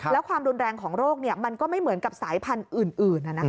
แล้วความรุนแรงของโรคมันก็ไม่เหมือนกับสายพันธุ์อื่น